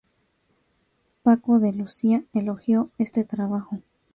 Paco de Lucía elogió este trabajo.